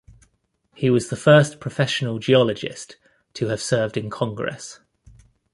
He was the first professional geologist to have served in Congress.